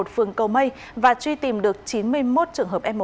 phường cầu mây và truy tìm được chín mươi một trường hợp f một